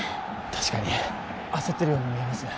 確かに焦ってるように見えますね